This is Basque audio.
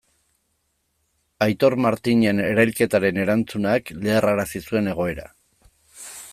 Aitor Martinen erailketaren erantzunak leherrarazi zuen egoera.